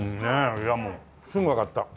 いやもうすぐわかった。